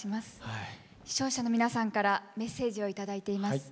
視聴者の皆さんからメッセージを頂いています。